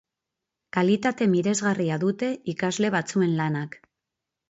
Kalitate miresgarria dute ikasle batzuen lanak.